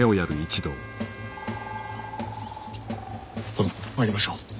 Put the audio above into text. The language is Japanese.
殿参りましょう。